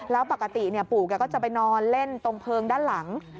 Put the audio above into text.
แล้วปกติปู่แกก็จะไปนอนเล่นตรงเพลิงด้านหลัง